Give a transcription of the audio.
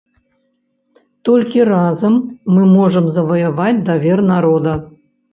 Толькі разам мы можам заваяваць давер народа.